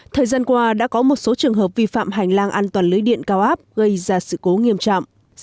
thời gian qua đã có một số trường hợp vi phạm hành lang an toàn lưới điện cao áp gây ra sự cố nghiêm trọng